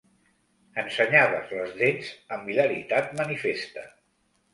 Ensenyaves les dents amb hilaritat manifesta.